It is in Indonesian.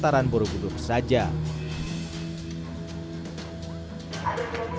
dan yang berpengalaman untuk mencari jalan ke candi borobudur